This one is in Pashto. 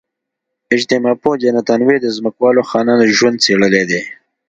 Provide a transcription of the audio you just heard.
اجتماع پوه جاناتان وی د ځمکوالو خانانو ژوند څېړلی دی.